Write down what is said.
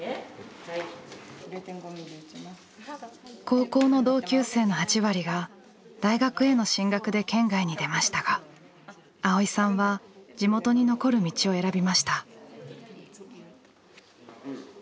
高校の同級生の８割が大学への進学で県外に出ましたが蒼依さんは地元に残る道を選びました。